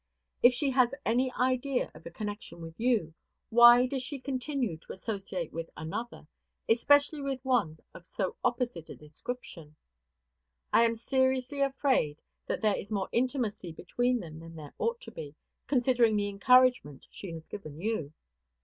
If she has any idea of a connection with you, why does she continue to associate with another, especially with one of so opposite a description? I am seriously afraid that there is more intimacy between them than there ought to be, considering the encouragement she has given you.